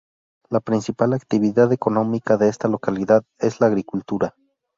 La principal actividad económica de esta localidad es la agricultura.